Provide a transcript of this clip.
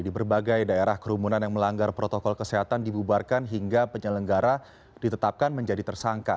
di berbagai daerah kerumunan yang melanggar protokol kesehatan dibubarkan hingga penyelenggara ditetapkan menjadi tersangka